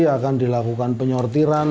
akan dilakukan penyortiran